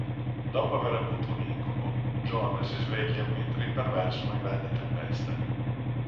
Dopo aver avuto un incubo, Giona si sveglia mentre imperversa una grande tempesta.